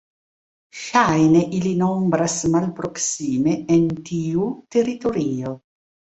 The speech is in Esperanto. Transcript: Ŝajne ili nombras malproksime en tiu teritorio.